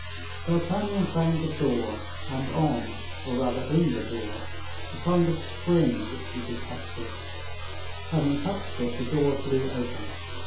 D'Artagnan found the door, and on, or rather in the door, a kind of spring which he detected; having touched it, the door flew open.